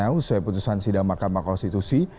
sesuai putusan sidang mahkamah konstitusi